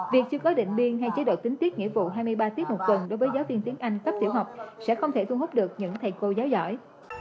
việc chưa có định biên hay chế độ tính tiết nghĩa vụ hai mươi ba tiết một tuần đối với giáo viên tiếng anh cấp tiểu học sẽ không thể thu hút được những thầy cô giáo giỏi